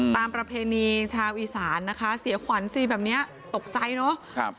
ประเพณีชาวอีสานนะคะเสียขวัญสิแบบนี้ตกใจเนาะ